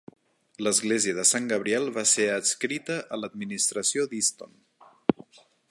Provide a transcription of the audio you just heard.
L'església de Sant Gabriel va ser adscrita a l'administració d'Easton.